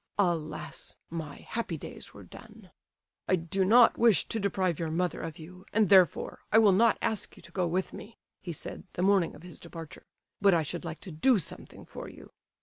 Alas, my happy days were done!" "'I do not wish to deprive your mother of you, and, therefore, I will not ask you to go with me,' he said, the morning of his departure, 'but I should like to do something for you.